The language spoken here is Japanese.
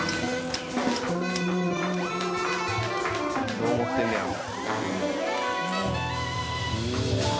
どう思ってんねやろ？